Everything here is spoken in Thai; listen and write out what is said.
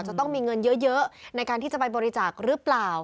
จะต้องมีเงินเยอะในการที่จะไปบริจาคหรือเปล่า